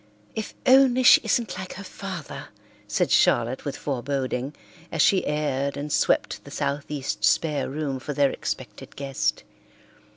"If only she isn't like her father," said Charlotte with foreboding, as she aired and swept the southeast spare room for their expected guest.